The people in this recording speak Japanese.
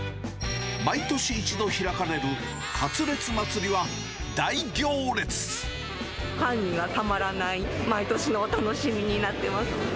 毎年１度開かれる、かつれつファンにはたまらない、毎年の楽しみになってます。